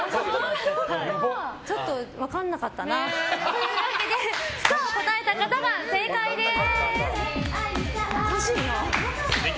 ちょっと分からなかったな！というわけで不可を答えた方は正解です。